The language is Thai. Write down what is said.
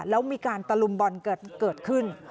แล้วมีการตะลุมบอลเกิดขึ้น